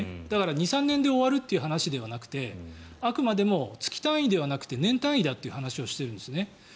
だから２３年で終わるという話ではなくてあくまでも月単位ではなくて年単位だという話をしているんですね。